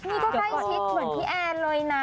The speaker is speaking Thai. นี่ก็ใกล้ชิดเหมือนพี่แอนเลยนะ